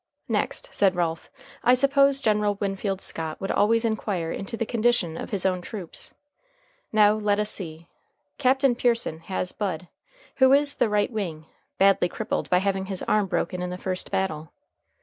"Next," said Ralph, "I suppose General Winfield Scott would always inquire into the condition of his own troops. Now let us see. Captain Pearson has Bud, who is the right wing, badly crippled by having his arm broken in the first battle."